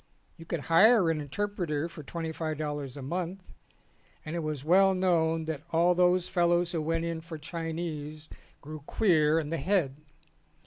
You could hire an interpreter for twenty five dollars a month and it was well known that all those fellows who went in for Chinese grew queer in the head.